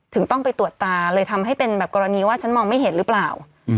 ต้องไปตรวจตาเลยทำให้เป็นแบบกรณีว่าฉันมองไม่เห็นหรือเปล่า